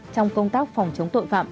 trong công tác phòng chống tội phạm